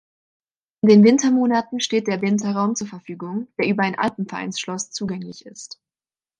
In den Wintermonaten steht der Winterraum zur Verfügung, der über ein Alpenvereins-Schloss zugänglich ist.